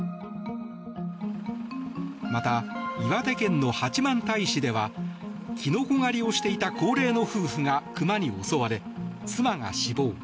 また、岩手県の八幡平市ではキノコ狩りをしていた高齢の夫婦が熊に襲われ、妻が死亡。